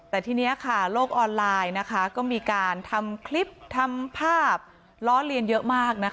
แต่ทีนี้ค่ะโลกออนไลน์ก็มีการทำคลิปทำภาพล้อเลียนเยอะมากนะคะ